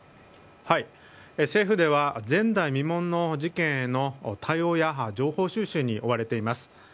政府では前代未聞の事件への対応や情報収集に追われています。